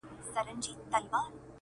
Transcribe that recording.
راته ستا حال راكوي!